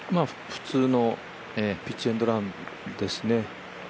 普通のピッチエンドランですね。